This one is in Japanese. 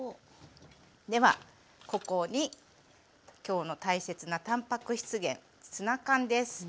ではここに今日の大切なたんぱく質源ツナ缶です。